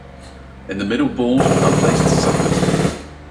In the middle board are placed suckers.